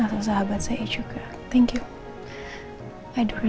nah sahabat saya juga terima kasih